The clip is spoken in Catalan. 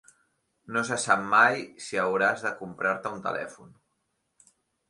No se sap mai si hauràs de comprar-te un telèfon.